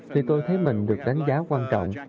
thì tôi thấy mình được đánh giá quan trọng